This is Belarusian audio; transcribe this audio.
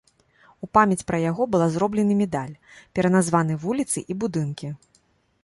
У памяць пра яго была зроблены медаль, пераназваны вуліцы і будынкі.